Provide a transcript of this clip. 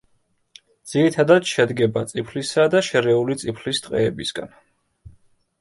ძირითადად შედგება წიფლისა და შერეული წიფლის ტყეებისგან.